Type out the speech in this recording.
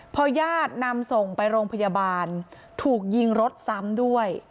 พอญาตินำส่งไปโรงพยาบาลถูกยิงรถซ้ำด้วย